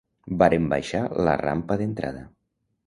Varem baixar la rampa d'entrada